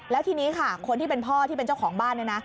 แล้วทีนี้ค่ะคนที่เป็นพ่อที่เป็นเจ้าของบ้านเนี่ยนะ